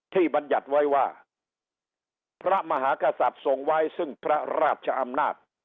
บรรยัติไว้ว่าพระมหากษัตริย์ทรงไว้ซึ่งพระราชอำนาจ